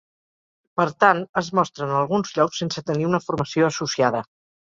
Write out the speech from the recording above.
Per tant, es mostren alguns llocs sense tenir una formació associada.